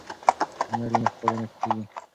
که هنر وي نو ښکلا نه پټیږي.